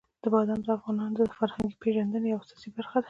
بادام د افغانانو د فرهنګي پیژندنې یوه اساسي برخه ده.